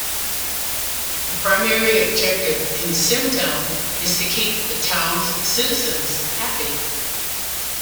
The primary objective in "SimTown" is to keep the town's citizens happy.